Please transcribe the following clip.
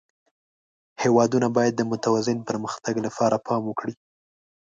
هېوادونه باید د متوازن پرمختګ لپاره پام وکړي.